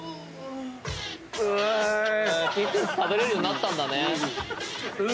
ピクルス食べれるようになったんだね。